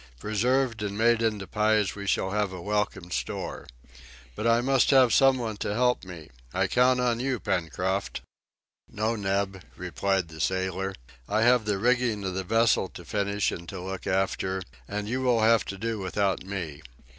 Preserved and made into pies we shall have a welcome store! But I must have some one to help me. I count on you, Pencroft." "No, Neb," replied the sailor; "I have the rigging of the vessel to finish and to look after, and you will have to do without me."